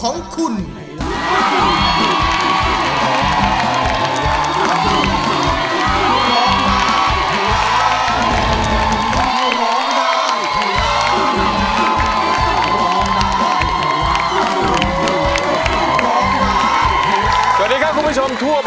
และเงินที่สะสมมาจะตกเป็นของผู้ที่ร้องถูก